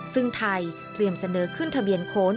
ซึ่งไทยเตรียมเสนอขึ้นทะเบียนโค้น